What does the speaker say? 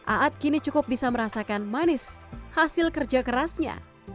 aad kini cukup bisa merasakan manis hasil kerja kerasnya